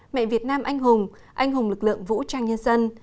mẹ việt nam anh hùng anh hùng lực lượng vũ trang nhân dân